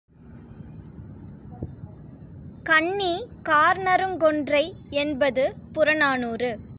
கண்ணி கார்நறுங் கொன்றை என்பது புறநானூறு.